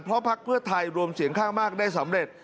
เพราะพักเพื่อไทยรวมเสียงข้างมากได้สำเร็จ